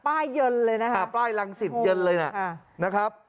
ป้ายเยินเลยนะครับป้ายรังสิตเยินเลยน่ะค่ะนะครับ